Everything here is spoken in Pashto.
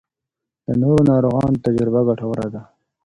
د نورو ناروغانو تجربه ګټوره ده.